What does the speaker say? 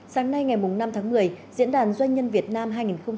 sáng nay ngày năm tháng một mươi diễn đàn doanh nhân việt nam hai nghìn một mươi chín